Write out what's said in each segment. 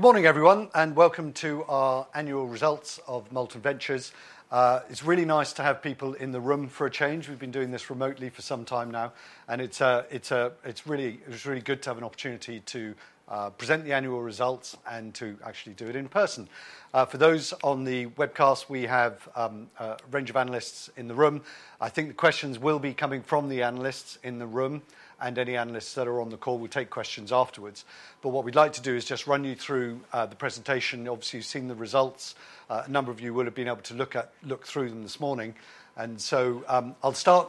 Good morning, everyone, and welcome to our annual results of Molten Ventures. It's really nice to have people in the room for a change. We've been doing this remotely for some time now, and it's really good to have an opportunity to present the annual results and to actually do it in person. For those on the webcast, we have a range of analysts in the room. I think the questions will be coming from the analysts in the room, and any analysts that are on the call will take questions afterwards. But what we'd like to do is just run you through the presentation. Obviously, you've seen the results. A number of you will have been able to look through them this morning. So I'll start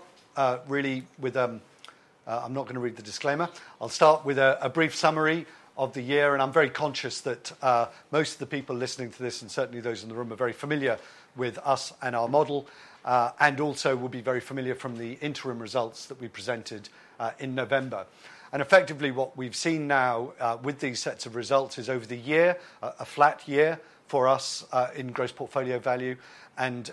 really with, I'm not going to read the disclaimer. I'll start with a brief summary of the year. I'm very conscious that most of the people listening to this, and certainly those in the room, are very familiar with us and our model, and also will be very familiar from the interim results that we presented in November. Effectively, what we've seen now with these sets of results is, over the year, a flat year for us in Gross Portfolio Value, and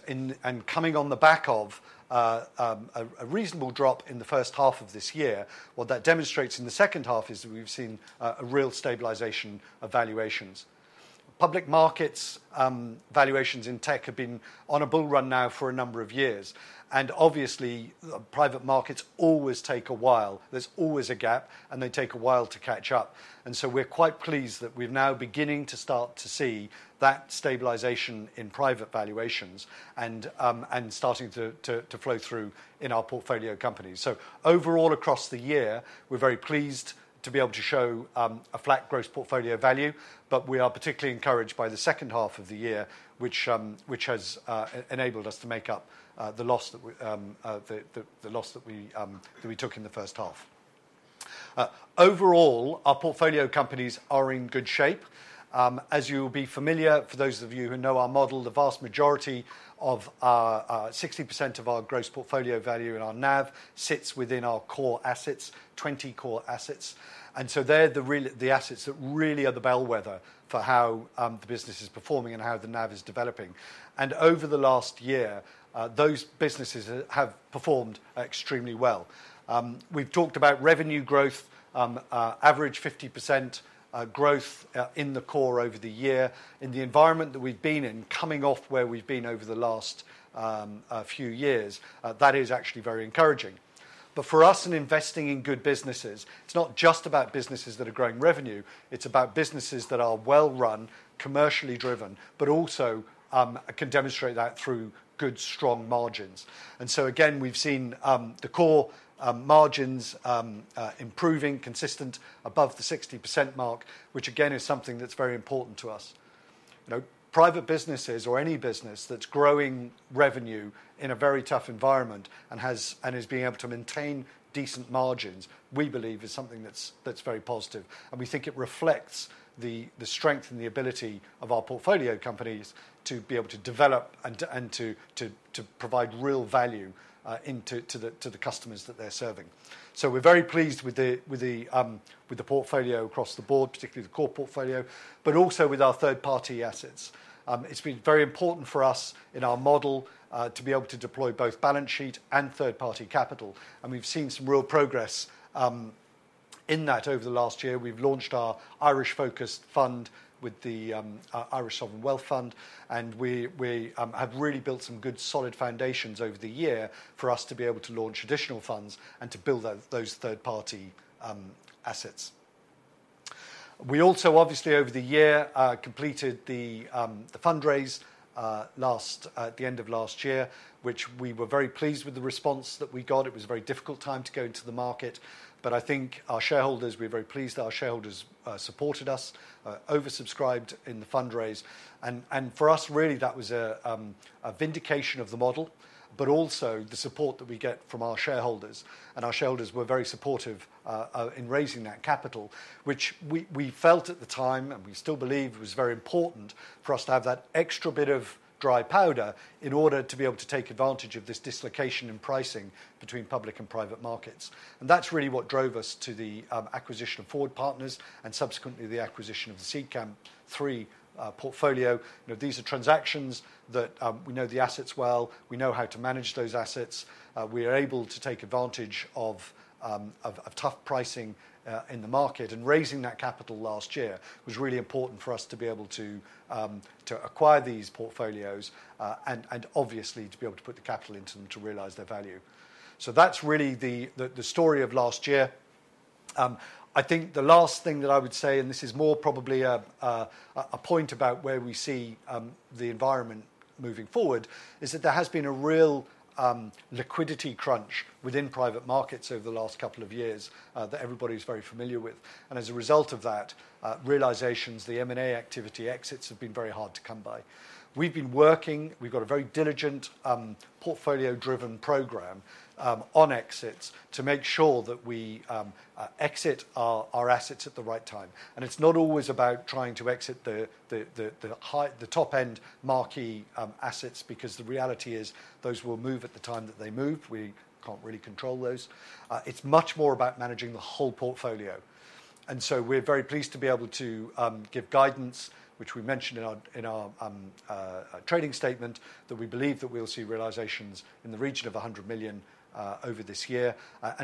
coming on the back of a reasonable drop in the first half of this year. What that demonstrates in the second half is that we've seen a real stabilization of valuations. Public markets' valuations in tech have been on a bull run now for a number of years. Obviously, private markets always take a while. There's always a gap, and they take a while to catch up. So we're quite pleased that we're now beginning to start to see that stabilization in private valuations and starting to flow through in our portfolio companies. So overall, across the year, we're very pleased to be able to show a flat gross portfolio value, but we are particularly encouraged by the second half of the year, which has enabled us to make up the loss that we took in the first half. Overall, our portfolio companies are in good shape. As you will be familiar, for those of you who know our model, the vast majority, 60% of our gross portfolio value in our NAV sits within our core assets, 20 core assets. So they're the assets that really are the bellwether for how the business is performing and how the NAV is developing. Over the last year, those businesses have performed extremely well. We've talked about revenue growth, average 50% growth in the core over the year. In the environment that we've been in, coming off where we've been over the last few years, that is actually very encouraging. But for us in investing in good businesses, it's not just about businesses that are growing revenue. It's about businesses that are well run, commercially driven, but also can demonstrate that through good, strong margins. And so again, we've seen the core margins improving, consistent, above the 60% mark, which again is something that's very important to us. Private businesses, or any business that's growing revenue in a very tough environment and is being able to maintain decent margins, we believe is something that's very positive. We think it reflects the strength and the ability of our portfolio companies to be able to develop and to provide real value to the customers that they're serving. So we're very pleased with the portfolio across the board, particularly the core portfolio, but also with our third-party assets. It's been very important for us in our model to be able to deploy both balance sheet and third-party capital. We've seen some real progress in that over the last year. We've launched our Irish-focused fund with the Ireland Strategic Investment Fund, and we have really built some good, solid foundations over the year for us to be able to launch additional funds and to build those third-party assets. We also, obviously, over the year, completed the fundraise at the end of last year, which we were very pleased with the response that we got. It was a very difficult time to go into the market, but I think our shareholders, we were very pleased that our shareholders supported us, oversubscribed in the fundraise. For us, really, that was a vindication of the model, but also the support that we get from our shareholders. Our shareholders were very supportive in raising that capital, which we felt at the time, and we still believe was very important for us to have that extra bit of dry powder in order to be able to take advantage of this dislocation in pricing between public and private markets. That's really what drove us to the acquisition of Forward Partners and subsequently the acquisition of the Seedcamp III portfolio. These are transactions that we know the assets well. We know how to manage those assets. We are able to take advantage of tough pricing in the market. Raising that capital last year was really important for us to be able to acquire these portfolios and obviously to be able to put the capital into them to realize their value. That's really the story of last year. I think the last thing that I would say, and this is more probably a point about where we see the environment moving forward, is that there has been a real liquidity crunch within private markets over the last couple of years that everybody's very familiar with. As a result of that, realizations, the M&A activity exits have been very hard to come by. We've been working. We've got a very diligent portfolio-driven program on exits to make sure that we exit our assets at the right time. It's not always about trying to exit the top-end marquee assets, because the reality is those will move at the time that they move. We can't really control those. It's much more about managing the whole portfolio. So we're very pleased to be able to give guidance, which we mentioned in our trading statement, that we believe that we'll see realizations in the region of 100 million over this year.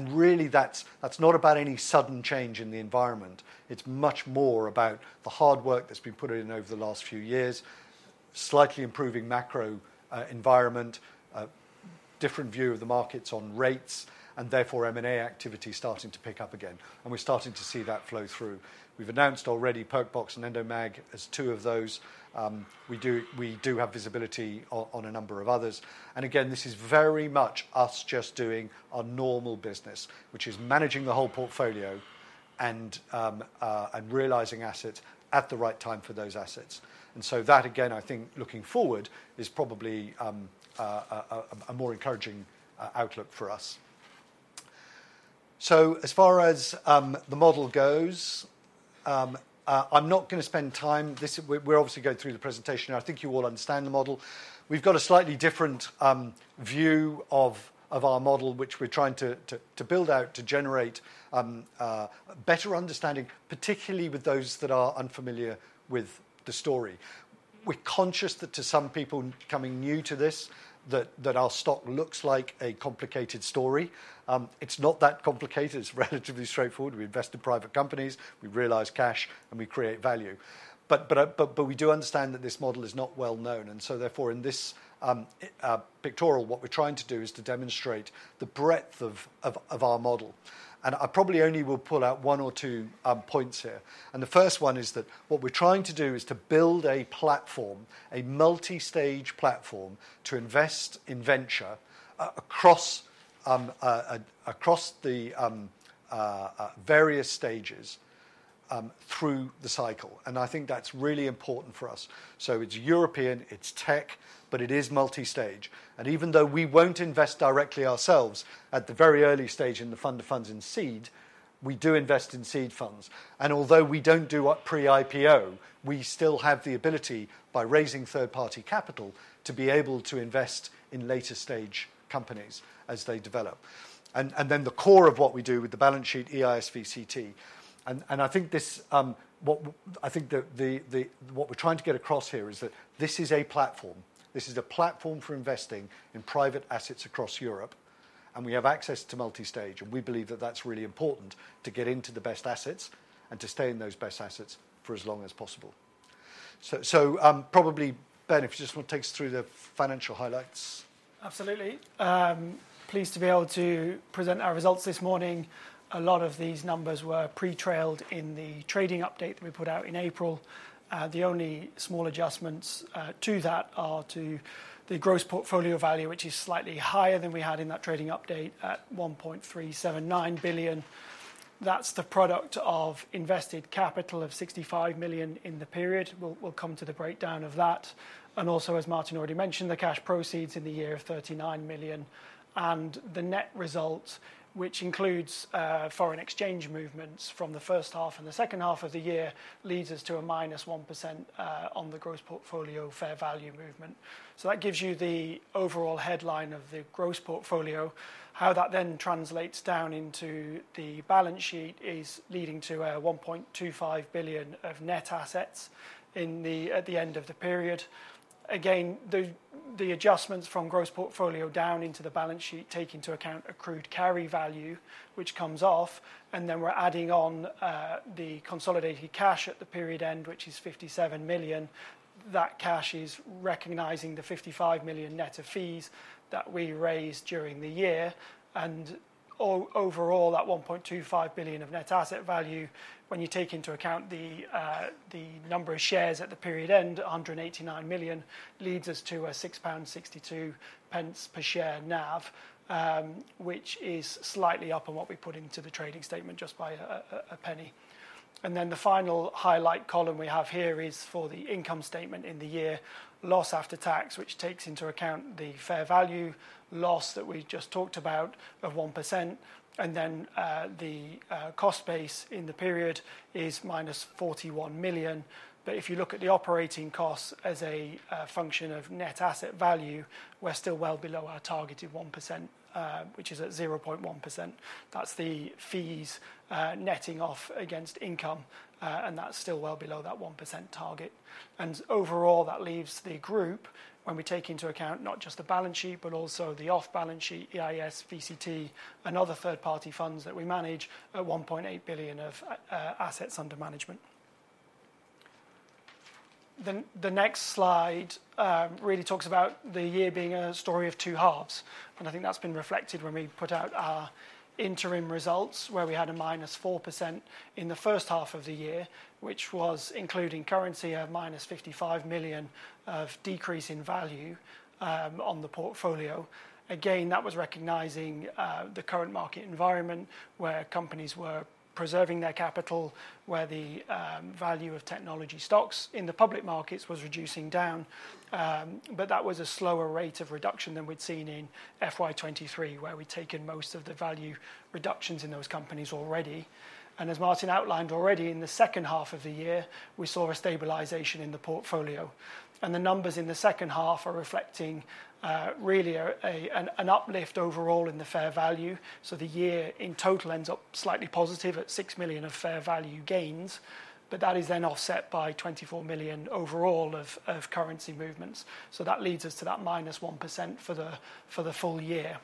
Really, that's not about any sudden change in the environment. It's much more about the hard work that's been put in over the last few years, slightly improving macro environment, different view of the markets on rates, and therefore M&A activity starting to pick up again. We're starting to see that flow through. We've announced already Perkbox and Endomag as two of those. We do have visibility on a number of others. And again, this is very much us just doing our normal business, which is managing the whole portfolio and realizing assets at the right time for those assets. And so that, again, I think looking forward is probably a more encouraging outlook for us. So as far as the model goes, I'm not going to spend time. We're obviously going through the presentation. I think you all understand the model. We've got a slightly different view of our model, which we're trying to build out to generate a better understanding, particularly with those that are unfamiliar with the story. We're conscious that to some people coming new to this, that our stock looks like a complicated story. It's not that complicated. It's relatively straightforward. We invest in private companies. We realize cash, and we create value. But we do understand that this model is not well known. So therefore, in this pictorial, what we're trying to do is to demonstrate the breadth of our model. I probably only will pull out one or two points here. The first one is that what we're trying to do is to build a platform, a multi-stage platform to invest in venture across the various stages through the cycle. I think that's really important for us. It's European. It's tech, but it is multi-stage. Even though we won't invest directly ourselves at the very early stage in the fund of funds in seed, we do invest in seed funds. Although we don't do pre-IPO, we still have the ability, by raising third-party capital, to be able to invest in later-stage companies as they develop. Then the core of what we do with the balance sheet, EIS, VCT. I think what we're trying to get across here is that this is a platform. This is a platform for investing in private assets across Europe. We have access to multi-stage. We believe that that's really important to get into the best assets and to stay in those best assets for as long as possible. So probably, Ben, if you just want to take us through the financial highlights. Absolutely. Pleased to be able to present our results this morning. A lot of these numbers were pre-trailed in the trading update that we put out in April. The only small adjustments to that are to the gross portfolio value, which is slightly higher than we had in that trading update at 1.379 billion. That's the product of invested capital of 65 million in the period. We'll come to the breakdown of that. And also, as Martin already mentioned, the cash proceeds in the year of 39 million. And the net result, which includes foreign exchange movements from the first half and the second half of the year, leads us to a -1% on the gross portfolio fair value movement. So that gives you the overall headline of the gross portfolio. How that then translates down into the balance sheet is leading to 1.25 billion of net assets at the end of the period. Again, the adjustments from gross portfolio down into the balance sheet take into account accrued carry value, which comes off. Then we're adding on the consolidated cash at the period end, which is 57 million. That cash is recognizing the 55 million net of fees that we raised during the year. Overall, that 1.25 billion of net asset value, when you take into account the number of shares at the period end, 189 million, leads us to a 6.62 pound per share NAV, which is slightly up on what we put into the trading statement just by a penny. Then the final highlight column we have here is for the income statement in the year, loss after tax, which takes into account the fair value loss that we just talked about of 1%. And then the cost base in the period is minus 41 million. But if you look at the operating costs as a function of net asset value, we're still well below our targeted 1%, which is at 0.1%. That's the fees netting off against income, and that's still well below that 1% target. And overall, that leaves the group, when we take into account not just the balance sheet, but also the off-balance sheet, EIS, VCT, and other third-party funds that we manage, at 1.8 billion of assets under management. The next slide really talks about the year being a story of two halves. I think that's been reflected when we put out our interim results, where we had a -4% in the first half of the year, which was, including currency, a -55 million decrease in value on the portfolio. Again, that was recognizing the current market environment, where companies were preserving their capital, where the value of technology stocks in the public markets was reducing down. But that was a slower rate of reduction than we'd seen in FY23, where we'd taken most of the value reductions in those companies already. And as Martin outlined already, in the second half of the year, we saw a stabilization in the portfolio. And the numbers in the second half are reflecting really an uplift overall in the fair value. The year in total ends up slightly positive at 6 million of fair value gains, but that is then offset by 24 million overall of currency movements. That leads us to that -1% for the full year.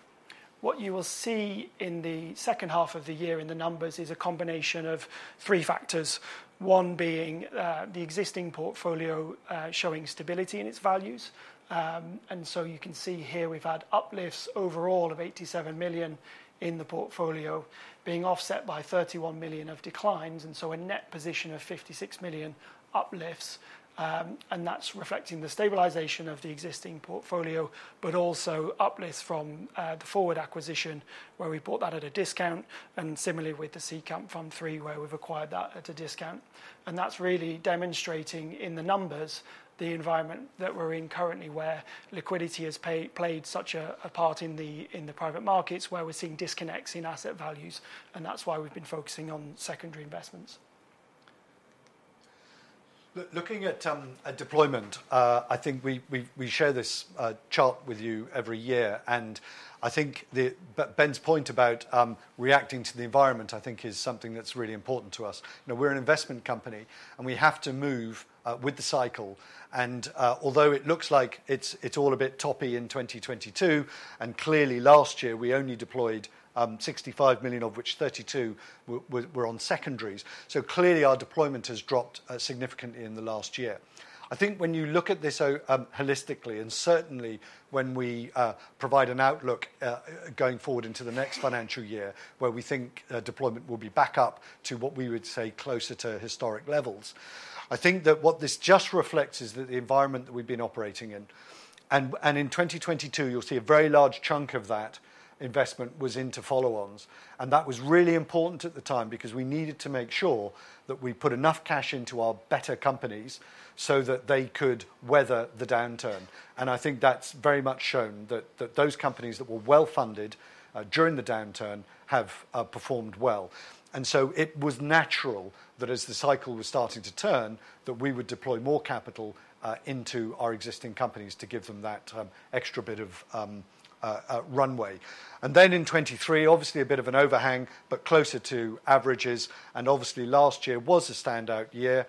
What you will see in the second half of the year in the numbers is a combination of three factors, one being the existing portfolio showing stability in its values. You can see here we've had uplifts overall of 87 million in the portfolio being offset by 31 million of declines. A net position of 56 million uplifts. That's reflecting the stabilization of the existing portfolio, but also uplifts from the Forward acquisition, where we bought that at a discount. Similarly with the Seedcamp Fund III, where we've acquired that at a discount. That's really demonstrating in the numbers the environment that we're in currently, where liquidity has played such a part in the private markets, where we're seeing disconnects in asset values. That's why we've been focusing on secondary investments. Looking at deployment, I think we share this chart with you every year. And I think Ben's point about reacting to the environment, I think, is something that's really important to us. We're an investment company, and we have to move with the cycle. And although it looks like it's all a bit toppy in 2022, and clearly last year we only deployed 65 million, of which 32 million were on secondaries, so clearly our deployment has dropped significantly in the last year. I think when you look at this holistically, and certainly when we provide an outlook going forward into the next financial year, where we think deployment will be back up to what we would say closer to historic levels, I think that what this just reflects is that the environment that we've been operating in, and in 2022, you'll see a very large chunk of that investment was into follow-ons. And that was really important at the time because we needed to make sure that we put enough cash into our better companies so that they could weather the downturn. And I think that's very much shown that those companies that were well funded during the downturn have performed well. It was natural that as the cycle was starting to turn, that we would deploy more capital into our existing companies to give them that extra bit of runway. Then in 2023, obviously a bit of an overhang, but closer to averages. And obviously last year was a standout year.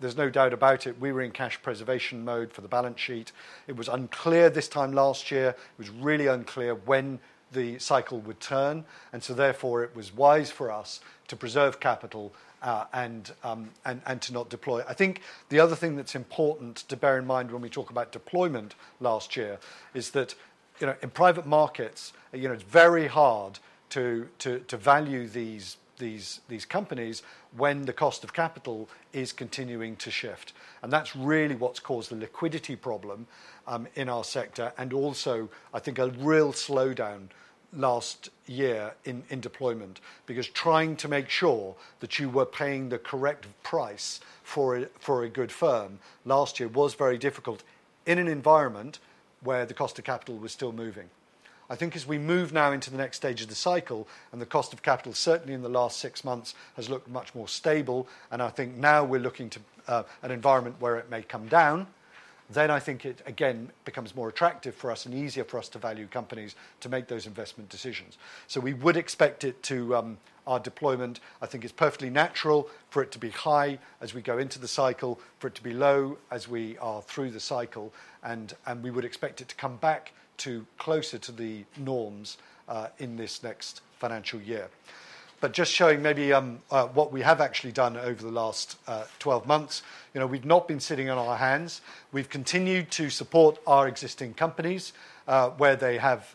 There's no doubt about it. We were in cash preservation mode for the balance sheet. It was unclear this time last year. It was really unclear when the cycle would turn. And so therefore it was wise for us to preserve capital and to not deploy. I think the other thing that's important to bear in mind when we talk about deployment last year is that in private markets, it's very hard to value these companies when the cost of capital is continuing to shift. And that's really what's caused the liquidity problem in our sector. I think a real slowdown last year in deployment, because trying to make sure that you were paying the correct price for a good firm last year was very difficult in an environment where the cost of capital was still moving. I think as we move now into the next stage of the cycle, and the cost of capital, certainly in the last six months, has looked much more stable. I think now we're looking to an environment where it may come down, then I think it again becomes more attractive for us and easier for us to value companies to make those investment decisions. So we would expect it to our deployment. I think it's perfectly natural for it to be high as we go into the cycle, for it to be low as we are through the cycle. We would expect it to come back closer to the norms in this next financial year. But just showing maybe what we have actually done over the last 12 months, we've not been sitting on our hands. We've continued to support our existing companies where they have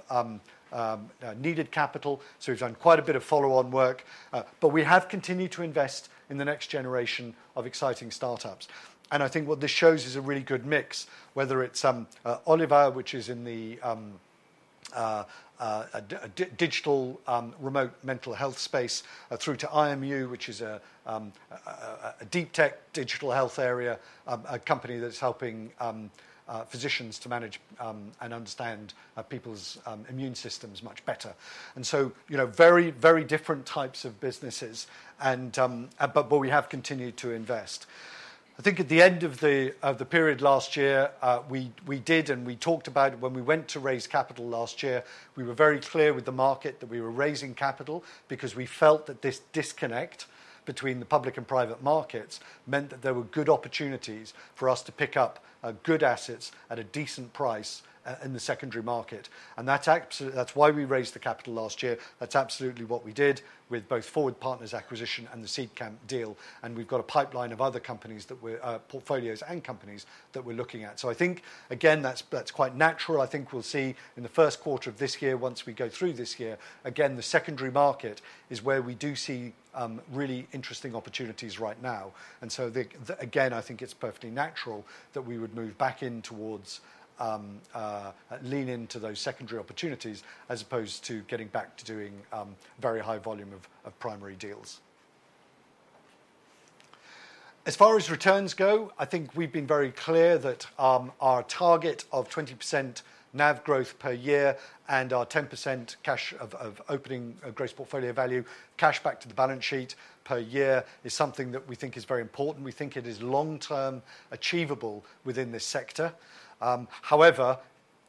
needed capital. So we've done quite a bit of follow-on work. But we have continued to invest in the next generation of exciting startups. And I think what this shows is a really good mix, whether it's Oliva, which is in the digital remote mental health space, through to IMU, which is a deep tech digital health area, a company that's helping physicians to manage and understand people's immune systems much better. And so very, very different types of businesses, but we have continued to invest. I think at the end of the period last year, we did, and we talked about when we went to raise capital last year, we were very clear with the market that we were raising capital because we felt that this disconnect between the public and private markets meant that there were good opportunities for us to pick up good assets at a decent price in the secondary market. And that's why we raised the capital last year. That's absolutely what we did with both Forward Partners acquisition and the Seedcamp deal. And we've got a pipeline of other companies that we're portfolios and companies that we're looking at. So I think, again, that's quite natural. I think we'll see in the first quarter of this year, once we go through this year, again, the secondary market is where we do see really interesting opportunities right now. And so again, I think it's perfectly natural that we would move back in towards lean into those secondary opportunities as opposed to getting back to doing very high volume of primary deals. As far as returns go, I think we've been very clear that our target of 20% NAV growth per year and our 10% cash of opening gross portfolio value cash back to the balance sheet per year is something that we think is very important. We think it is long-term achievable within this sector. However,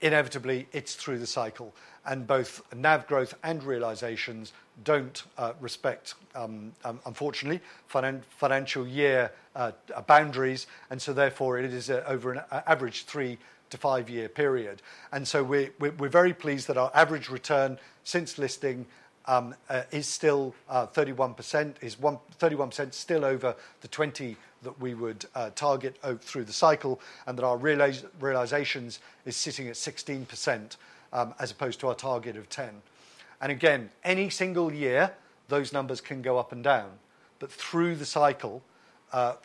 inevitably, it's through the cycle. And both NAV growth and realizations don't respect, unfortunately, financial year boundaries. And so therefore it is over an average 3-5-year period. And so we're very pleased that our average return since listing is still 31%, is 31% still over the 20% that we would target through the cycle. That our realizations is sitting at 16% as opposed to our target of 10%. Again, any single year, those numbers can go up and down. But through the cycle,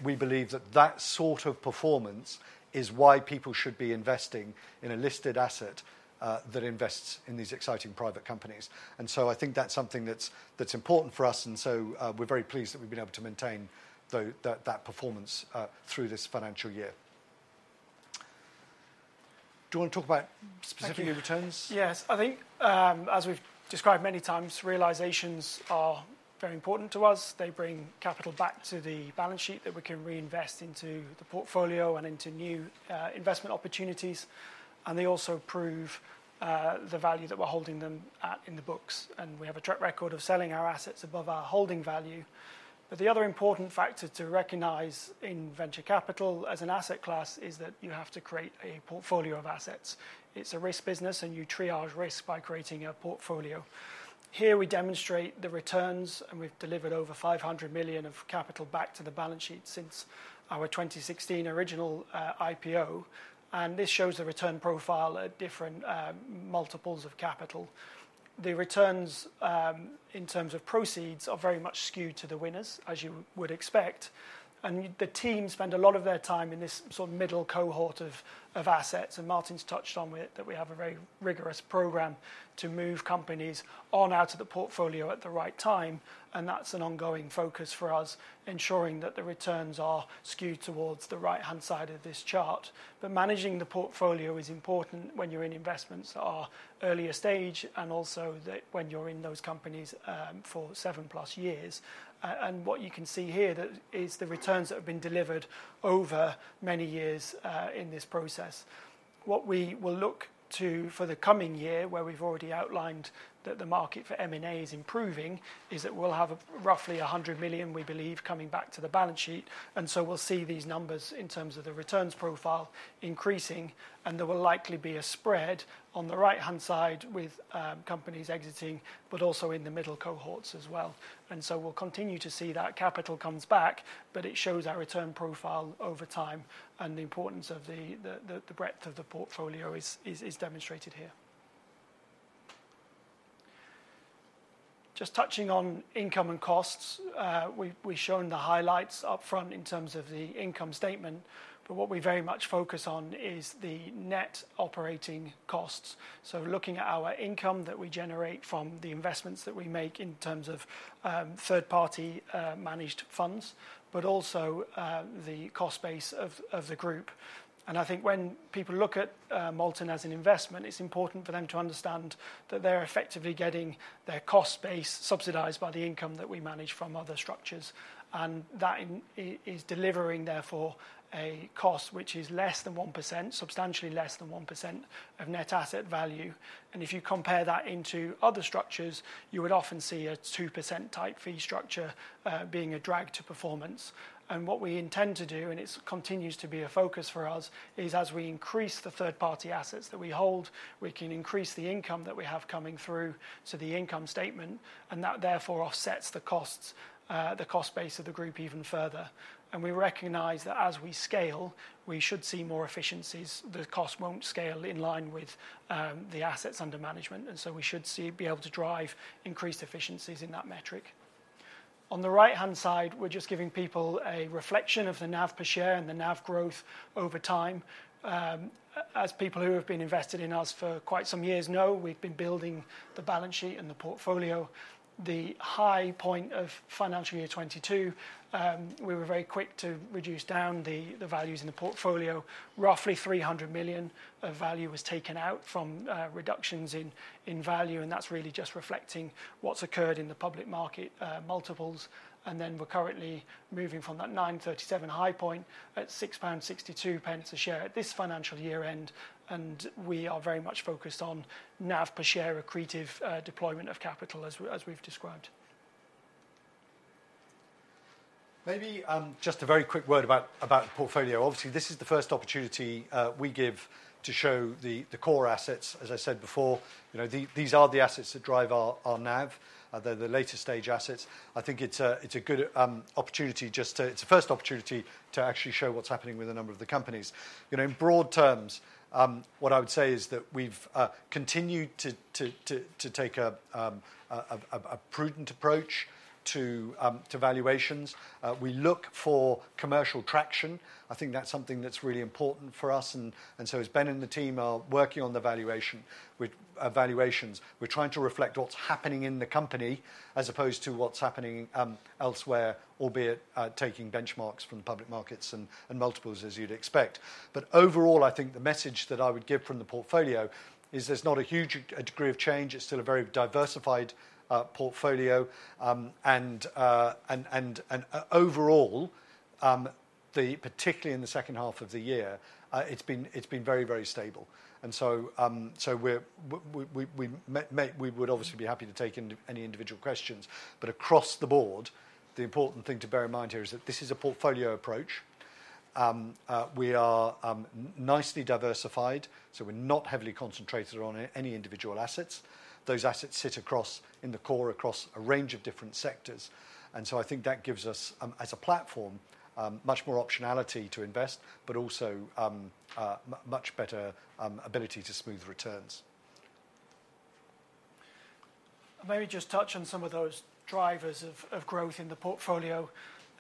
we believe that that sort of performance is why people should be investing in a listed asset that invests in these exciting private companies. So I think that's something that's important for us. So we're very pleased that we've been able to maintain that performance through this financial year. Do you want to talk about specifically returns? Yes. I think as we've described many times, realizations are very important to us. They bring capital back to the balance sheet that we can reinvest into the portfolio and into new investment opportunities. And they also prove the value that we're holding them at in the books. And we have a track record of selling our assets above our holding value. But the other important factor to recognize in venture capital as an asset class is that you have to create a portfolio of assets. It's a risk business, and you triage risk by creating a portfolio. Here we demonstrate the returns, and we've delivered over 500 million of capital back to the balance sheet since our 2016 original IPO. And this shows the return profile at different multiples of capital. The returns in terms of proceeds are very much skewed to the winners, as you would expect. The team spend a lot of their time in this sort of middle cohort of assets. Martin's touched on that we have a very rigorous program to move companies on out of the portfolio at the right time. That's an ongoing focus for us, ensuring that the returns are skewed towards the right-hand side of this chart. Managing the portfolio is important when you're in investments that are earlier stage and also when you're in those companies for 7+ years. What you can see here is the returns that have been delivered over many years in this process. What we will look to for the coming year, where we've already outlined that the market for M&A is improving, is that we'll have roughly 100 million, we believe, coming back to the balance sheet. So we'll see these numbers in terms of the returns profile increasing. There will likely be a spread on the right-hand side with companies exiting, but also in the middle cohorts as well. We'll continue to see that capital comes back, but it shows our return profile over time. The importance of the breadth of the portfolio is demonstrated here. Just touching on income and costs, we've shown the highlights upfront in terms of the income statement. What we very much focus on is the net operating costs. Looking at our income that we generate from the investments that we make in terms of third-party managed funds, but also the cost base of the group. And I think when people look at Molten as an investment, it's important for them to understand that they're effectively getting their cost base subsidized by the income that we manage from other structures. And that is delivering, therefore, a cost which is less than 1%, substantially less than 1% of net asset value. And if you compare that into other structures, you would often see a 2% type fee structure being a drag to performance. And what we intend to do, and it continues to be a focus for us, is as we increase the third-party assets that we hold, we can increase the income that we have coming through to the income statement. And that therefore offsets the cost base of the group even further. And we recognize that as we scale, we should see more efficiencies. The cost won't scale in line with the assets under management. So we should be able to drive increased efficiencies in that metric. On the right-hand side, we're just giving people a reflection of the NAV per share and the NAV growth over time. As people who have been invested in us for quite some years know, we've been building the balance sheet and the portfolio. The high point of financial year 2022, we were very quick to reduce down the values in the portfolio. Roughly 300 million of value was taken out from reductions in value. That's really just reflecting what's occurred in the public market multiples. Then we're currently moving from that 9.37 high point at 6.62 pound a share at this financial year end. We are very much focused on NAV per share accretive deployment of capital as we've described. Maybe just a very quick word about the portfolio. Obviously, this is the first opportunity we give to show the core assets. As I said before, these are the assets that drive our NAV. They're the later stage assets. I think it's a good opportunity just to, it's a first opportunity to actually show what's happening with a number of the companies. In broad terms, what I would say is that we've continued to take a prudent approach to valuations. We look for commercial traction. I think that's something that's really important for us. And so as Ben and the team are working on the valuations, we're trying to reflect what's happening in the company as opposed to what's happening elsewhere, albeit taking benchmarks from the public markets and multiples, as you'd expect. Overall, I think the message that I would give from the portfolio is there's not a huge degree of change. It's still a very diversified portfolio. Overall, particularly in the second half of the year, it's been very, very stable. So we would obviously be happy to take any individual questions. Across the board, the important thing to bear in mind here is that this is a portfolio approach. We are nicely diversified. We're not heavily concentrated on any individual assets. Those assets sit across in the core across a range of different sectors. So I think that gives us, as a platform, much more optionality to invest, but also much better ability to smooth returns. I maybe just touch on some of those drivers of growth in the portfolio.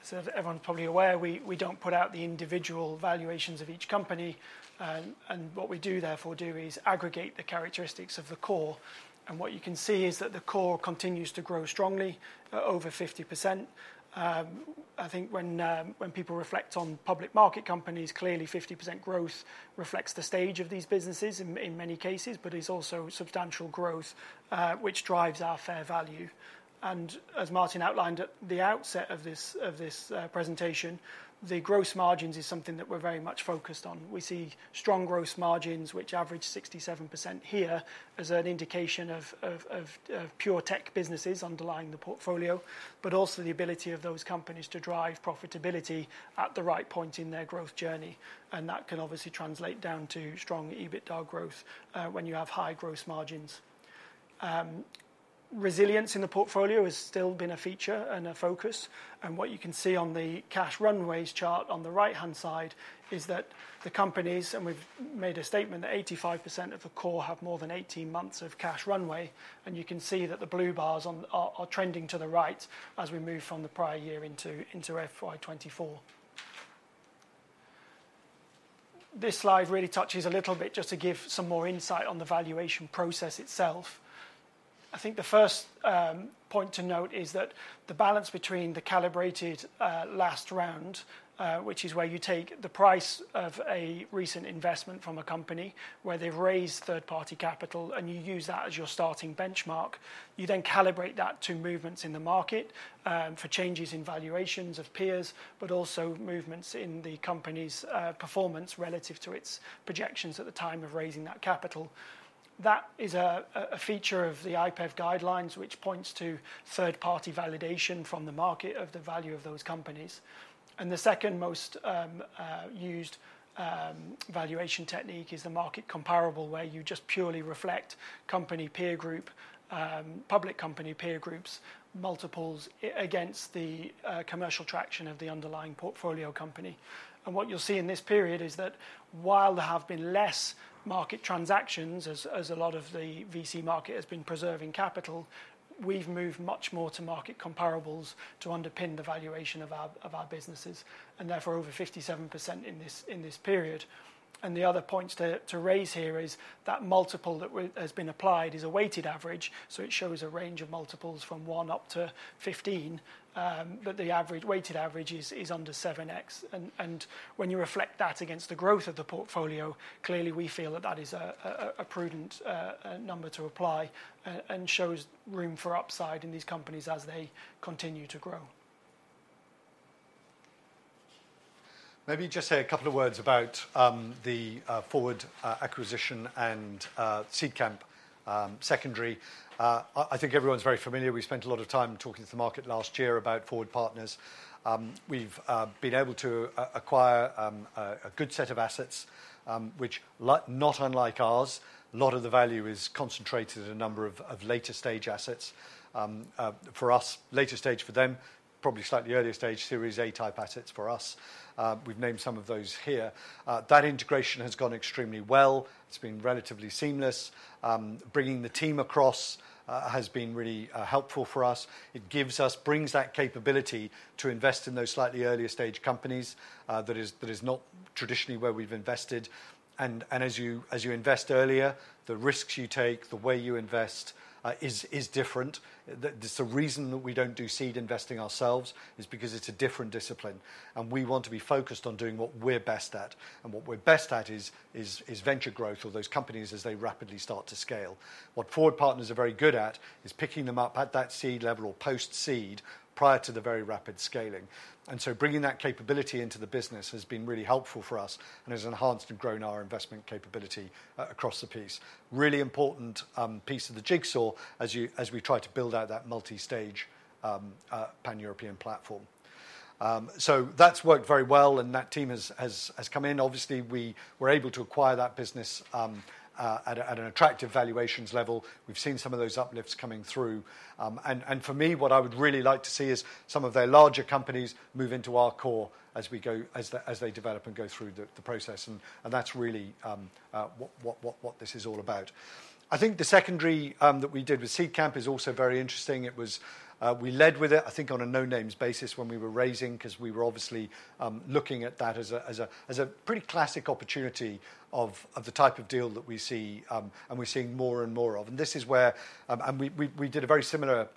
So everyone's probably aware, we don't put out the individual valuations of each company. And what we do, therefore, do is aggregate the characteristics of the core. And what you can see is that the core continues to grow strongly over 50%. I think when people reflect on public market companies, clearly 50% growth reflects the stage of these businesses in many cases, but it's also substantial growth, which drives our fair value. And as Martin outlined at the outset of this presentation, the gross margins is something that we're very much focused on. We see strong gross margins, which average 67% here, as an indication of pure tech businesses underlying the portfolio, but also the ability of those companies to drive profitability at the right point in their growth journey. That can obviously translate down to strong EBITDA growth when you have high gross margins. Resilience in the portfolio has still been a feature and a focus. What you can see on the cash runways chart on the right-hand side is that the companies, and we've made a statement that 85% of the core have more than 18 months of cash runway. You can see that the blue bars are trending to the right as we move from the prior year into FY24. This slide really touches a little bit just to give some more insight on the valuation process itself. I think the first point to note is that the balance between the calibrated last round, which is where you take the price of a recent investment from a company where they've raised third-party capital, and you use that as your starting benchmark. You then calibrate that to movements in the market for changes in valuations of peers, but also movements in the company's performance relative to its projections at the time of raising that capital. That is a feature of the IPEV guidelines, which points to third-party validation from the market of the value of those companies. The second most used valuation technique is the market comparable, where you just purely reflect company peer group, public company peer groups, multiples against the commercial traction of the underlying portfolio company. What you'll see in this period is that while there have been less market transactions, as a lot of the VC market has been preserving capital, we've moved much more to market comparables to underpin the valuation of our businesses, and therefore over 57% in this period. The other points to raise here is that multiple that has been applied is a weighted average. So it shows a range of multiples from one upto 15, but the average weighted average is under 7x. And when you reflect that against the growth of the portfolio, clearly we feel that that is a prudent number to apply and shows room for upside in these companies as they continue to grow. Maybe just a couple of words about the Forward Partners acquisition and Seedcamp secondary. I think everyone's very familiar. We spent a lot of time talking to the market last year about Forward Partners. We've been able to acquire a good set of assets, which not unlike ours, a lot of the value is concentrated in a number of later stage assets for us, later stage for them, probably slightly earlier stage series A type assets for us. We've named some of those here. That integration has gone extremely well. It's been relatively seamless. Bringing the team across has been really helpful for us. It gives us, brings that capability to invest in those slightly earlier stage companies that is not traditionally where we've invested. And as you invest earlier, the risks you take, the way you invest is different. There's a reason that we don't do seed investing ourselves is because it's a different discipline. We want to be focused on doing what we're best at. What we're best at is venture growth or those companies as they rapidly start to scale. What Forward Partners are very good at is picking them up at that seed level or post-seed prior to the very rapid scaling. So bringing that capability into the business has been really helpful for us and has enhanced and grown our investment capability across the piece. Really important piece of the jigsaw as we try to build out that multi-stage pan-European platform. That's worked very well, and that team has come in. Obviously, we were able to acquire that business at an attractive valuations level. We've seen some of those uplifts coming through. For me, what I would really like to see is some of their larger companies move into our core as they develop and go through the process. That's really what this is all about. I think the secondary that we did with Seedcamp is also very interesting. We led with it, I think, on a no-names basis when we were raising because we were obviously looking at that as a pretty classic opportunity of the type of deal that we see and we're seeing more and more of. This is where we did a very similar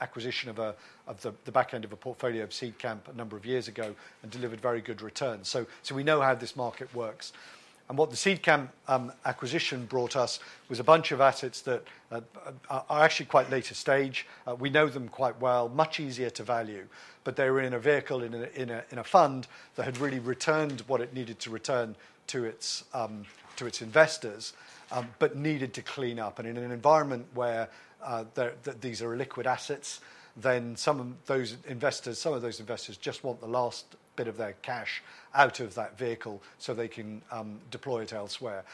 acquisition of the back end of a portfolio of Seedcamp a number of years ago and delivered very good returns. So we know how this market works. What the Seedcamp acquisition brought us was a bunch of assets that are actually quite later stage. We know them quite well, much easier to value, but they were in a vehicle in a fund that had really returned what it needed to return to its investors, but needed to clean up. In an environment where these are illiquid assets, then some of those investors, some of those investors just want the last bit of their cash out of that vehicle so they can deploy it elsewhere.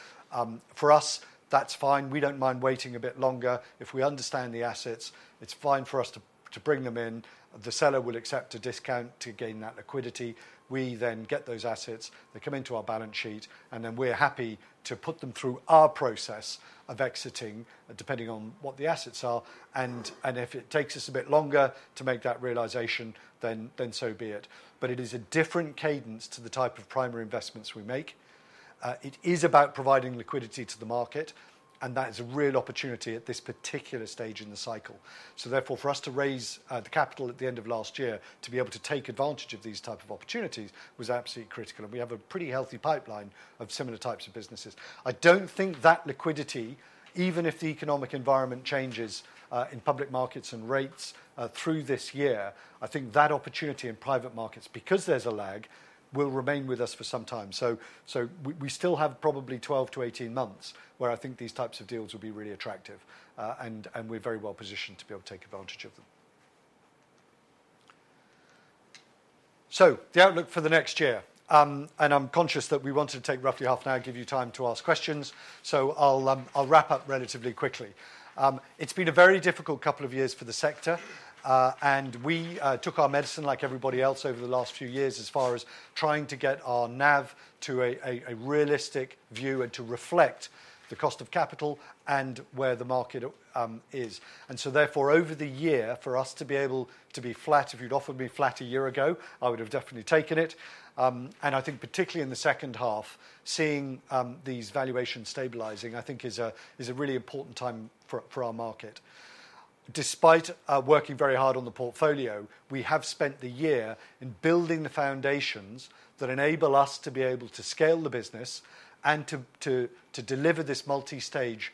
For us, that's fine. We don't mind waiting a bit longer. If we understand the assets, it's fine for us to bring them in. The seller will accept a discount to gain that liquidity. We then get those assets. They come into our balance sheet, and then we're happy to put them through our process of exiting, depending on what the assets are. If it takes us a bit longer to make that realization, then so be it. But it is a different cadence to the type of primary investments we make. It is about providing liquidity to the market, and that is a real opportunity at this particular stage in the cycle. So therefore, for us to raise the capital at the end of last year to be able to take advantage of these types of opportunities was absolutely critical. And we have a pretty healthy pipeline of similar types of businesses. I don't think that liquidity, even if the economic environment changes in public markets and rates through this year, I think that opportunity in private markets, because there's a lag, will remain with us for some time. So we still have probably 12-18 months where I think these types of deals will be really attractive. And we're very well positioned to be able to take advantage of them. So the outlook for the next year, and I'm conscious that we wanted to take roughly half an hour, give you time to ask questions. So I'll wrap up relatively quickly. It's been a very difficult couple of years for the sector. And we took our medicine like everybody else over the last few years as far as trying to get our NAV to a realistic view and to reflect the cost of capital and where the market is. And so therefore, over the year, for us to be able to be flat, if you'd offered me flat a year ago, I would have definitely taken it. And I think particularly in the second half, seeing these valuations stabilizing, I think is a really important time for our market. Despite working very hard on the portfolio, we have spent the year in building the foundations that enable us to be able to scale the business and to deliver this multi-stage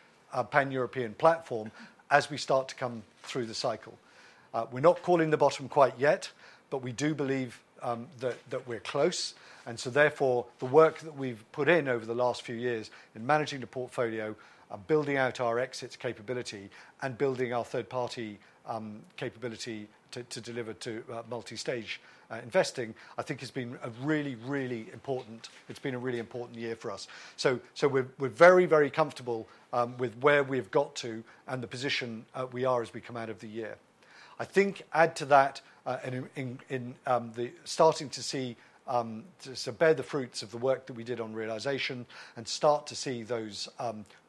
pan-European platform as we start to come through the cycle. We're not calling the bottom quite yet, but we do believe that we're close. And so therefore, the work that we've put in over the last few years in managing the portfolio, building out our exits capability, and building our third-party capability to deliver to multi-stage investing, I think has been a really, really important. It's been a really important year for us. So we're very, very comfortable with where we have got to and the position we are as we come out of the year. I think, add to that, and starting to see to bear the fruits of the work that we did on realization and start to see those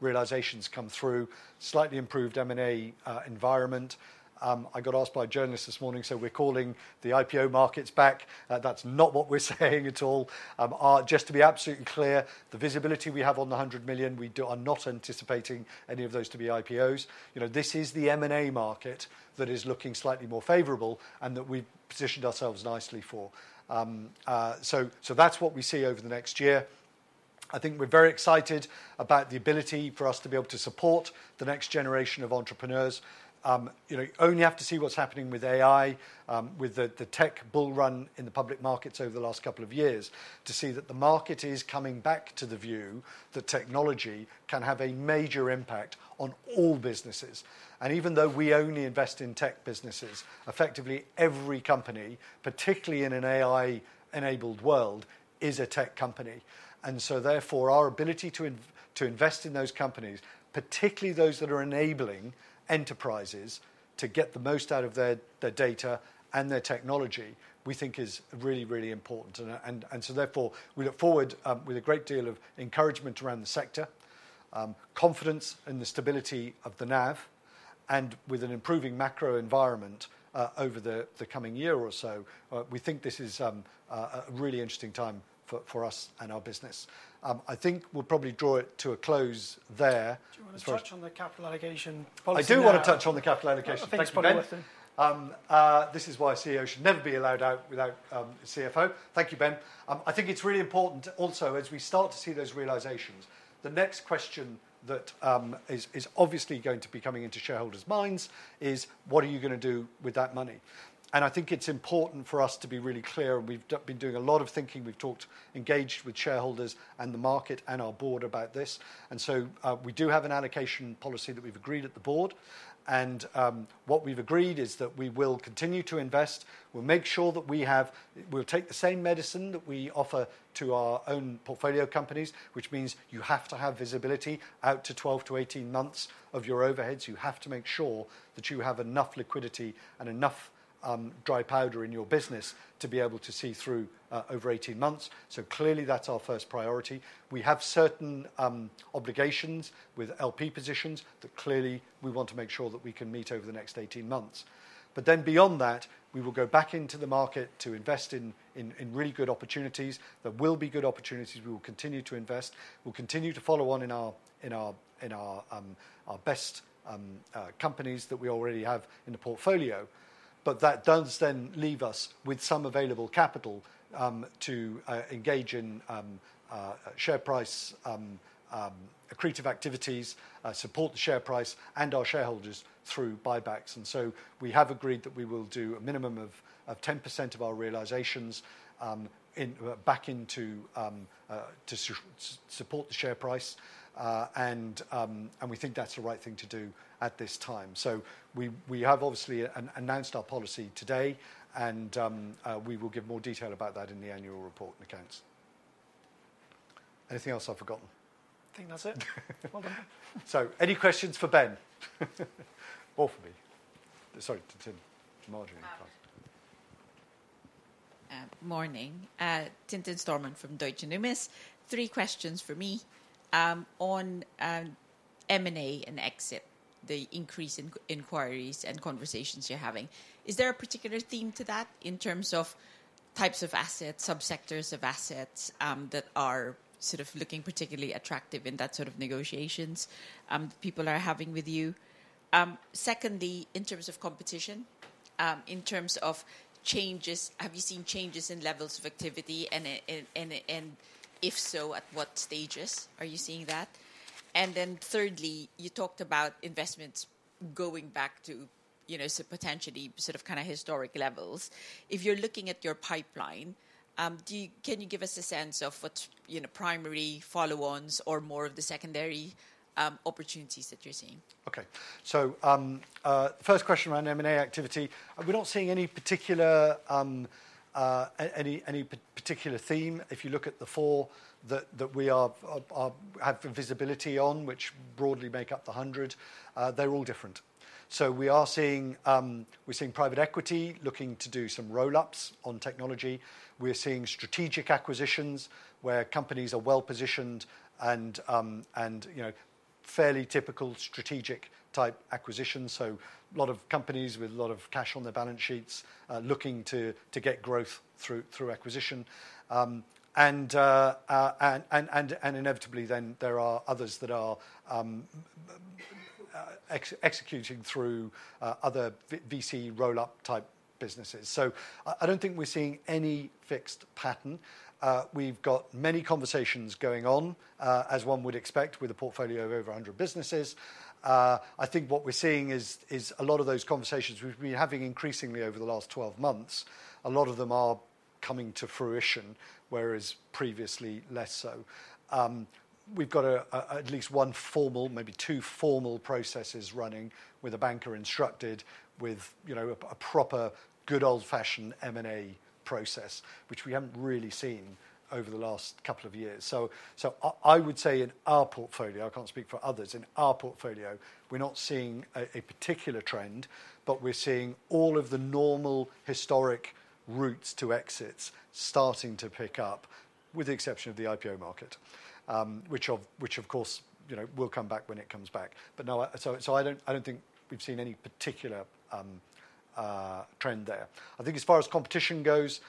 realizations come through, slightly improved M&A environment. I got asked by a journalist this morning, so we're calling the IPO markets back? That's not what we're saying at all. Just to be absolutely clear, the visibility we have on the 100 million, we are not anticipating any of those to be IPOs. This is the M&A market that is looking slightly more favorable and that we've positioned ourselves nicely for. So that's what we see over the next year. I think we're very excited about the ability for us to be able to support the next generation of entrepreneurs. You only have to see what's happening with AI, with the tech bull run in the public markets over the last couple of years, to see that the market is coming back to the view that technology can have a major impact on all businesses. And even though we only invest in tech businesses, effectively every company, particularly in an AI-enabled world, is a tech company. And so therefore, our ability to invest in those companies, particularly those that are enabling enterprises to get the most out of their data and their technology, we think is really, really important. And so therefore, we look forward with a great deal of encouragement around the sector, confidence in the stability of the NAV, and with an improving macro environment over the coming year or so, we think this is a really interesting time for us and our business. I think we'll probably draw it to a close there. Do you want to touch on the capital allocation policy? I do want to touch on the capital allocation. Thanks, Ben. This is why a CEO should never be allowed out without a CFO. Thank you, Ben. I think it's really important also, as we start to see those realizations, the next question that is obviously going to be coming into shareholders' minds is, what are you going to do with that money? I think it's really important for us to be really clear, and we've been doing a lot of thinking. We've talked, engaged with shareholders and the market and our board about this. So we do have an allocation policy that we've agreed at the board. What we've agreed is that we will continue to invest. We'll make sure that we have, we'll take the same medicine that we offer to our own portfolio companies, which means you have to have visibility out to 12-18 months of your overheads. You have to make sure that you have enough liquidity and enough dry powder in your business to be able to see through over 18 months. So clearly, that's our first priority. We have certain obligations with LP positions that clearly we want to make sure that we can meet over the next 18 months. But then beyond that, we will go back into the market to invest in really good opportunities. There will be good opportunities. We will continue to invest. We'll continue to follow on in our best companies that we already have in the portfolio. But that does then leave us with some available capital to engage in share price accretive activities, support the share price and our shareholders through buybacks. So we have agreed that we will do a minimum of 10% of our realizations back to support the share price. We think that's the right thing to do at this time. We have obviously announced our policy today, and we will give more detail about that in the annual report and accounts. Anything else I've forgotten? I think that's it. Any questions for Ben or for me? Sorry, to Tim. Morning. Tim Stormont from Deutsche Numis. Three questions for me on M&A and exit, the increase in inquiries and conversations you're having. Is there a particular theme to that in terms of types of assets, subsectors of assets that are sort of looking particularly attractive in that sort of negotiations that people are having with you? Secondly, in terms of competition, in terms of changes, have you seen changes in levels of activity? And if so, at what stages are you seeing that? And then thirdly, you talked about investments going back to potentially sort of kind of historic levels. If you're looking at your pipeline, can you give us a sense of what's primary follow-ons or more of the secondary opportunities that you're seeing? Okay. So first question around M&A activity. We're not seeing any particular theme if you look at the full that we have visibility on, which broadly make up the 100. They're all different. So we are seeing private equity looking to do some roll-ups on technology. We're seeing strategic acquisitions where companies are well positioned and fairly typical strategic type acquisitions. So a lot of companies with a lot of cash on their balance sheets looking to get growth through acquisition. And inevitably, then there are others that are executing through other VC roll-up type businesses. So I don't think we're seeing any fixed pattern. We've got many conversations going on, as one would expect, with a portfolio of over 100 businesses. I think what we're seeing is a lot of those conversations we've been having increasingly over the last 12 months, a lot of them are coming to fruition, whereas previously less so. We've got at least one formal, maybe two formal processes running with a banker instructed with a proper good old-fashioned M&A process, which we haven't really seen over the last couple of years. So I would say in our portfolio, I can't speak for others, in our portfolio, we're not seeing a particular trend, but we're seeing all of the normal historic routes to exits starting to pick up, with the exception of the IPO market, which of course will come back when it comes back. But no, so I don't think we've seen any particular trend there. I think as far as competition goes,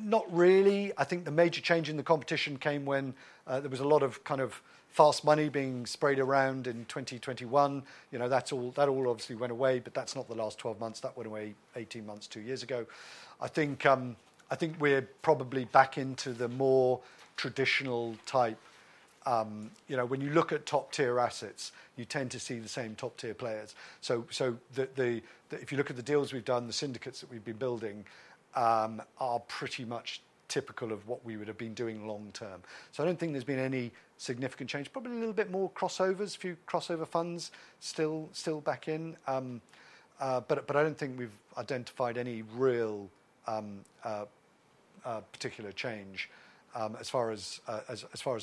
not really. I think the major change in the competition came when there was a lot of kind of fast money being sprayed around in 2021. That all obviously went away, but that's not the last 12 months. That went away 18 months, 2 years ago. I think we're probably back into the more traditional type. When you look at top-tier assets, you tend to see the same top-tier players. So if you look at the deals we've done, the syndicates that we've been building are pretty much typical of what we would have been doing long-term. So I don't think there's been any significant change. Probably a little bit more crossovers, a few crossover funds still back in. But I don't think we've identified any real particular change as far as